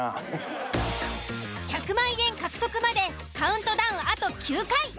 １００万円獲得までカウントダウンあと９回。